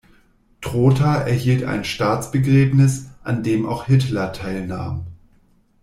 Trotha erhielt ein Staatsbegräbnis, an dem auch Hitler teilnahm.